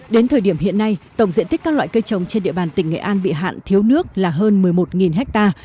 đến thời điểm hiện nay tổng diện tích các loại cây trồng trên địa bàn tỉnh nghệ an bị hạn thiếu nước là hơn một mươi một ha